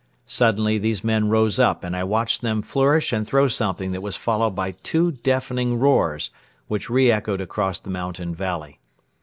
Suddenly these men rose up and I watched them flourish and throw something that was followed by two deafening roars which re echoed across the mountain valley.